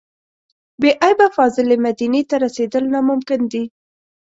بې عیبه فاضلې مدینې ته رسېدل ناممکن دي.